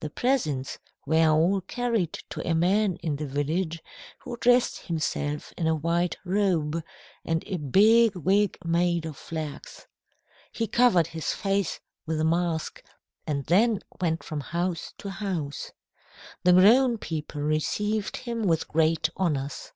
The presents were all carried to a man in the village who dressed himself in a white robe, and a big wig made of flax. He covered his face with a mask, and then went from house to house. The grown people received him with great honours.